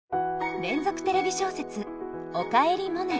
連続テレビ小説「おかえりモネ」。